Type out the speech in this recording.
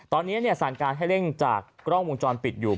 ตอนนี้สั่งการให้เร่งจากกล้องวงจรปิดอยู่